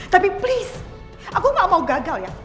tapi please aku gak mau gagal ya